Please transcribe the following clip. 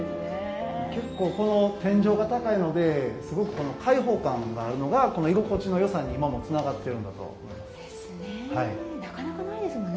結構この天井が高いのですごく開放感があるのがこの居心地のよさに今もつながってるんだと思います。